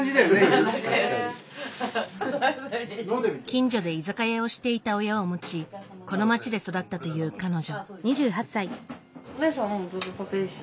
近所で居酒屋をしていた親を持ちこの街で育ったという彼女。